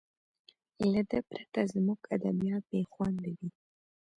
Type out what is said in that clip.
له ده پرته زموږ ادبیات بې خونده وي.